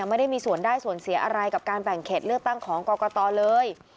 ไม่ได้มีส่วนได้ส่วนเสียอะไรกับการแบ่งเขตเลือกตั้งของกรกตเลย